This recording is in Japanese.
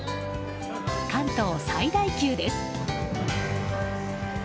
関東最大級です。